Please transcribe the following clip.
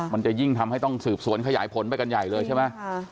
มันจะยิ่งทำให้ต้องสืบสวนขยายผลไปกันใหญ่เลยใช่ไหม